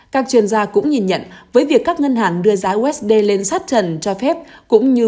các chuyên gia cũng nhìn nhận với việc các ngân hàng đưa giá usd lên sát trần cho phép cũng như